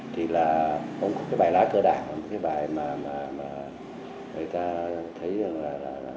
thì là ông có cái bài lá cờ đảng là một cái bài mà người ta thấy rằng là